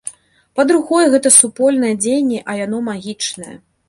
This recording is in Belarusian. Па-другое, гэта супольнае дзеянне, а яно магічнае.